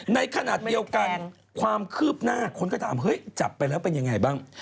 ในขณะเดียวกันความคืบหน้าคนก็ถามเฮ้ยจับไปแล้วเป็นยังไงบ้าง